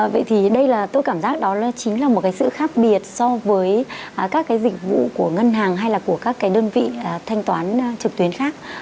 vậy thì đây là tôi cảm giác đó chính là một cái sự khác biệt so với các cái dịch vụ của ngân hàng hay là của các cái đơn vị thanh toán trực tuyến khác